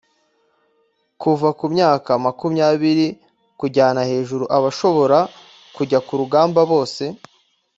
kuva ku myaka makumyabiri kujyana hejuru abashobora kujya ku rugamba bose